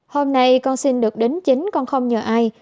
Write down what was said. hôm nay con xin được đính chính con không nhờ ai